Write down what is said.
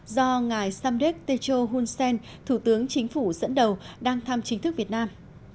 do ngài samdet techo hunsen thủ tướng chính phủ dẫn đầu đang thăm chính thức việt nam